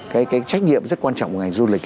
cái trách nhiệm rất quan trọng của ngành du lịch